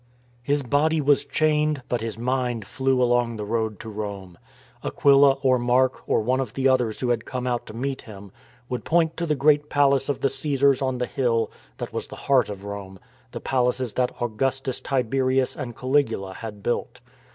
His body was chained, but his mind flew along the road to Rome. Aquila or Mark, or one of the others who had come out to meet him, would point to the great Palace of the Caesars on the hill that was the heart of Rome — the palaces that Augustus Tiberius and Caligula had built.